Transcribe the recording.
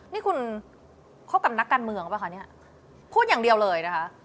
นี่คุณคบกับนักการเมืองหรือเปล่าคะเนี่ยพูดอย่างเดียวเลยนะคะ